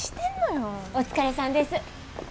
お疲れさんです。